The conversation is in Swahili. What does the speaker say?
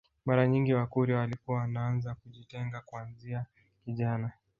Mara nyingi wakurya walikuwa wanaanza kujitenga kuanzia kijana